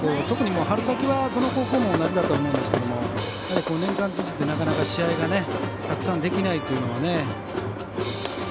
特に春先はどの高校も同じだと思うんですが年間通じて、なかなか試合がたくさんできないというのはね。